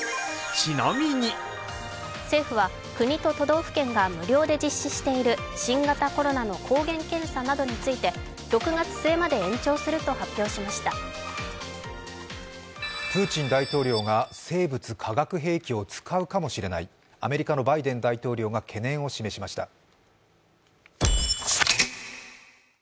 政府は国と都道府県が無料で実施している新型コロナの無料抗原検査について６月末まで延長すると発表しましたプーチン大統領が生物・化学兵器を使うかもしれない、アメリカのバイデン大統領が懸念を示しました。